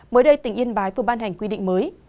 mới đây tỉnh yên bái vừa ban hành quy định mới